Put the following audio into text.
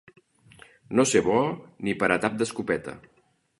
No ser bo ni per a tap d'escopeta.